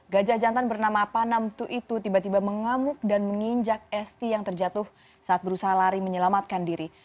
gajah jantan bernama panamtu itu tiba tiba mengamuk dan menginjak esti yang terjatuh saat berusaha lari menyelamatkan diri